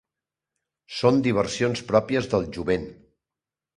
Són diversions pròpies del jovent.